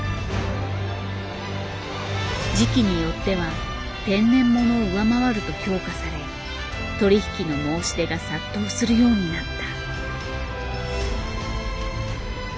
時期によっては天然物を上回ると評価され取り引きの申し出が殺到するようになった。